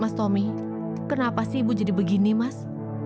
mas tommy kenapa sih ibu jadi begini mas